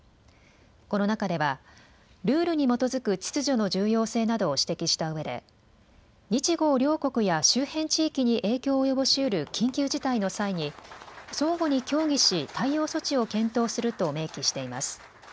この中ではルールに基づく秩序の重要性などを指摘したうえで、日豪両国や周辺地域に影響を及ぼしうる緊急事態の際に相互に協議し対応措置を検討すると明記しています。